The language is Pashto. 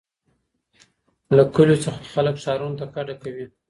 له کلیو څخه خلک ښارونو ته کډه کوي.